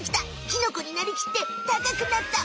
キノコになりきってたかくなった。